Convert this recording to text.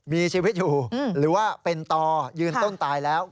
มีชีวิตอยู่หรือว่าเป็นต่อยืนต้นตายแล้ว